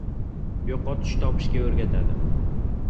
• Yo‘qotish topishga o‘rgatadi.